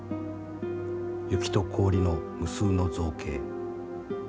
雪と氷の無数の造形。